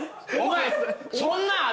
そんなんある？